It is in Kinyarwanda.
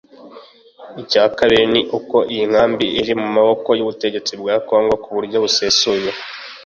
Icya kabiri ni uko iyi nkambi iri mu maboko y’ubutegetsi bwa Congo ku buryo busesuye